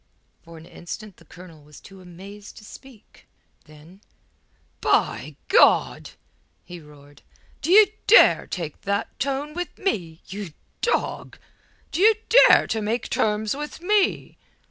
For an instant the Colonel was too amazed to speak. Then "By God!" he roared. "D'ye dare take that tone with me, you dog? D'ye dare to make terms with me?"